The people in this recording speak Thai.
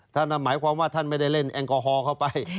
นั่นหมายความว่าท่านไม่ได้เล่นแอลกอฮอลเข้าไป